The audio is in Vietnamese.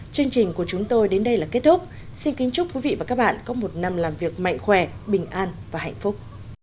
chương trình của chúng tôi đến đây là kết thúc xin kính chúc quý vị và các bạn có một năm làm việc mạnh khỏe bình an và hạnh phúc